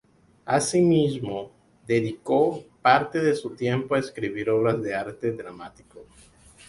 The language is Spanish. Asimismo, dedicó parte de su tiempo a escribir obras de arte dramático.